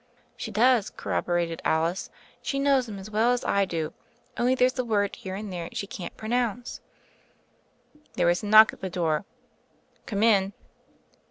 "She does," corroborated Alice. "She knows 'em as well as I do. Only there's a word here and there she can't pronounce." There was a knock at the door. "Come in."